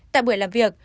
tại buổi làm việc